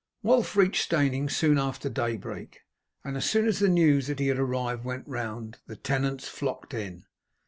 Wulf reached Steyning soon after daybreak, and as soon as the news that he had arrived went round, the tenants flocked in.